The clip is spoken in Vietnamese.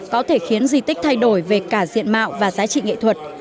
có thể khiến di tích thay đổi về cả diện mạo và giá trị nghệ thuật